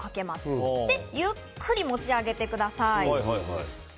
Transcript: そしてゆっくり持ち上げてください。